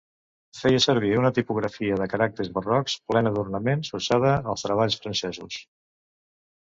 Feia servir una tipografia de caràcters barrocs, plena d'ornaments, usada als treballs francesos.